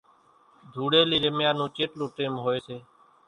ڌوڙيلي رميا نون چيٽلون ٽيم ھوئي سي